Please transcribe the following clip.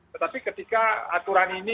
tetapi ketika aturan ini